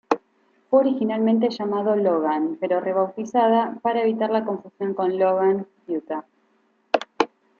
Fue originalmente llamado Logan, pero rebautizada para evitar la confusión con Logan, Utah.